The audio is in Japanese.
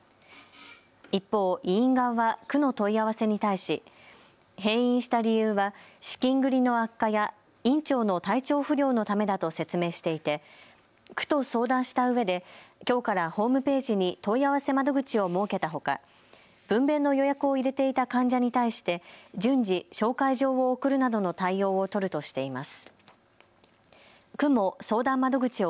一方、医院側は区の問い合わせに対し閉院した理由は資金繰りの悪化や院長の体調不良のためだと説明していて区と相談したうえできょうからホームページに問い合わせ窓口を設けたほか分べんの予約を入れていた患者に対して順次、紹介状を送るなどの対応を取るとしています。